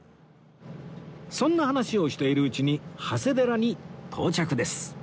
そんな話をしているうちに長谷寺に到着です